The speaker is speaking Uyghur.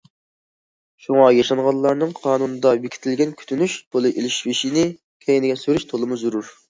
شۇڭا، ياشانغانلارنىڭ قانۇندا بېكىتىلگەن كۈتۈنۈش پۇلى ئېلىش يېشىنى كەينىگە سۈرۈش تولىمۇ زۆرۈر.